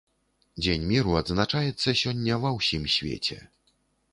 Дзень міру адзначаецца сёння ва ўсім свеце.